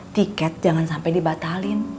tiket jangan sampai dibatalin